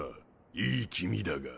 いい気味だが。